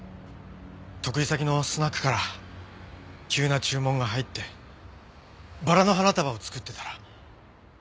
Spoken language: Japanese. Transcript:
得意先のスナックから急な注文が入ってバラの花束を作ってたら亮子さんから電話があって。